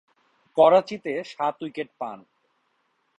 করাচিতে সাত উইকেট পান।